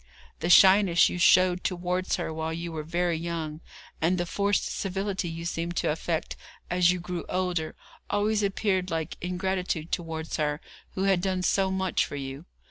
The shyness you showed towards her while you were very young, and the forced civility you seemed to affect as you grew older, always appeared like ingratitude towards her who had done so much for you.